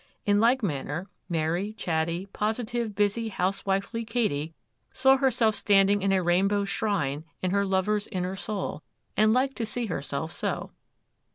In like manner, merry, chatty, positive, busy, housewifely Katy saw herself standing in a rainbow shrine in her lover's inner soul, and liked to see herself so.